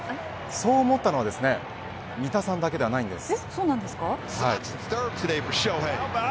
そう思ったのはですね三田さんだけではないんです。